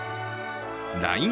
ＬＩＮＥ